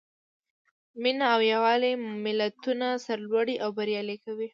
مینه او یووالی ملتونه سرلوړي او بریالي کوي.